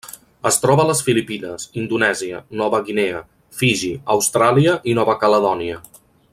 Es troba a les Filipines, Indonèsia, Nova Guinea, Fiji, Austràlia i Nova Caledònia.